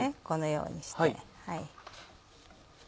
このようにして。